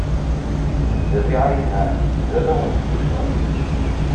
Zerriɛa yelhan, d arraw n tgelda.